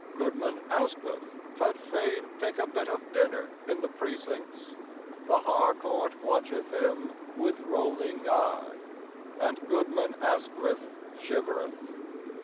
Goodman Asquith had fain pick a bit of dinner in the precincts; The Harcourt watcheth him with rolling eye, And goodman Asquith shivereth.